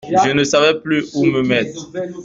Je ne savais plus où me mettre.